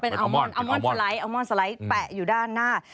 เป็นอัลมอนด์อัลมอนด์สไลท์อัลมอนด์สไลท์แปะอยู่ด้านหน้า